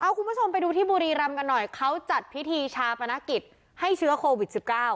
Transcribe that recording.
คุณผู้ชมไปดูที่บุรีรำกันหน่อยเขาจัดพิธีชาปนกิจให้เชื้อโควิด๑๙